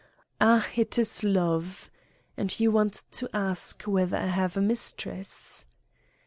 ... Ah, 'tis love! And you want to ask whether I have a mistress!